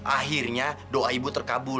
akhirnya doa ibu terkabul